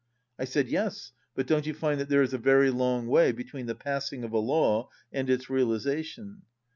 I said, "Yes, but don't you find that there is a very long way between the passing of a law and its realization?"